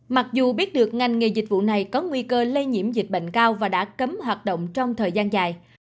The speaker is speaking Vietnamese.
mặc dù biết được ngành nghề dịch vụ này có nguy cơ lây nhiễm dịch bệnh cao và đã cấm hoạt động trong thời gian dài